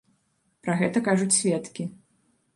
Пра гэта кажуць сведкі.